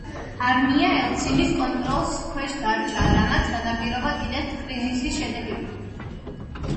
არმია ელცინის კონტროლს ქვეშ დარჩა, რამაც განაპირობა კიდეც კრიზისის შედეგი.